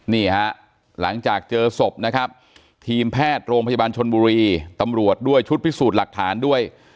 นี่ฮะหลังจากเจอศพนะครับทีมแพทย์โรงพยาบาลชนบุรีตำรวจด้วยชุดพิสูจน์หลักฐานด้วย